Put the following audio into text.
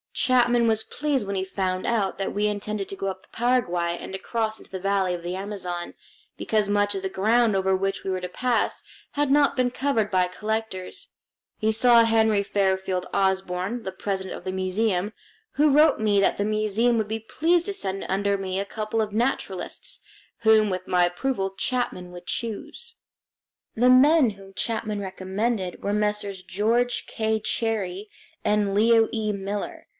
Chapman was pleased when he found out that we intended to go up the Paraguay and across into the valley of the Amazon, because much of the ground over which we were to pass had not been covered by collectors. He saw Henry Fairfield Osborn, the president of the museum, who wrote me that the museum would be pleased to send under me a couple of naturalists, whom, with my approval, Chapman would choose. The men whom Chapman recommended were Messrs. George K. Cherrie and Leo E. Miller.